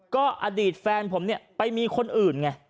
ก็อดีตแฟนผมเนี่ยไปมีคนอื่นไง